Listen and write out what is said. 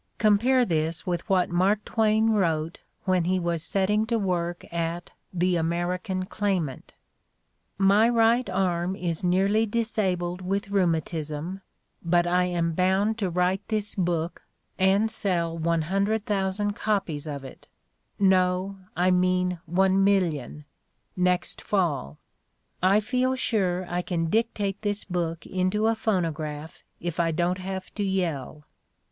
Compare this with what Mark Twain wrote when he was setting to work at "The American Claimant": "My right arm is nearly disabled with rheumatism^ but I am bound to write this book (and sell 100,000 copies of it — ^no, I mean 1,000,000 — ^next fall). I feel sure I can dictate the book into a phonograph if I don't have to yell."